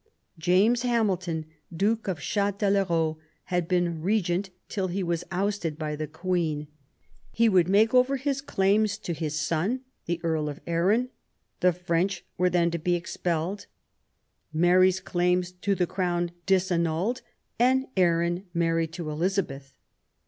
James Hamilton, Duke of Chatelherault, had been Regent till he was ousted by the Queen : he would make over his claims to his son, the Earl of Arran ; the French were then to be PROBLEMS OF THE REIGN. 59 expelled, Mary's claims to the Crown disannulled, and Arran married to Elizabeth.